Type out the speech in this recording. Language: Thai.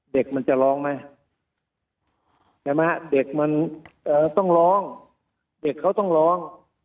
เด็กมันจะร้องไหมใช่ไหมฮะเด็กมันต้องร้องเด็กเขาต้องร้อง